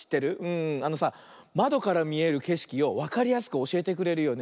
あのさまどからみえるけしきをわかりやすくおしえてくれるよね。